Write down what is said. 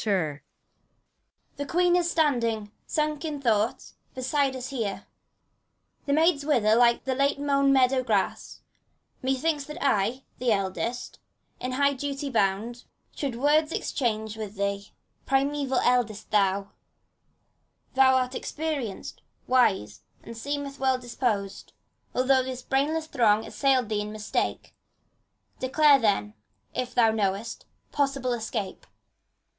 The Queen is standing, sunk in thought, beside us here, The maidens wither like the late mown meadow grass ; Methinks that I, the eldest, in high duty bound, Should words exchange with thee, primeval eldest thou I ACT III, 149 Thou art experienced, wise, and seemest well disposed, Although this brainless throng assailed thee in mistake. Declare then, if thou knowest, possible escape!